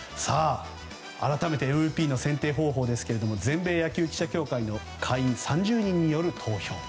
改めてＭＶＰの選定方法ですが全米野球記者協会の会員３０人による投票。